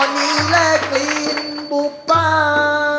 ออนิแลกรีนบุปป้า